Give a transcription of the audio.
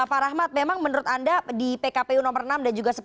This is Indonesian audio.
pak rahmat memang menurut anda di pkpu nomor enam dan juga sepuluh